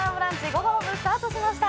午後の部スタートしました。